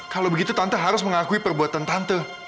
kalau begitu tante harus mengakui perbuatan tante